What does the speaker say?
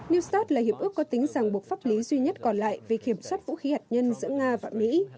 new start là hiệp ước có tính sàng buộc pháp lý duy nhất còn lại về kiểm soát vũ khí hạt nhân giữa nga và mỹ